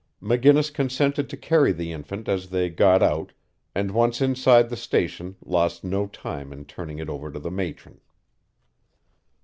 McGinnis consented to carry the infant as they got out and once inside the station lost no time in turning it over to the matron.